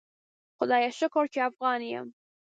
خدایه شکر چی افغان یم